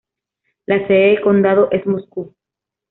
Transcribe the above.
La sede del condado es Moscow.